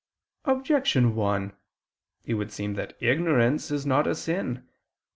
Objection 1: It would seem that ignorance is not a sin.